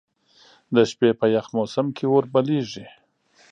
د شپې په یخ موسم کې اور بليږي.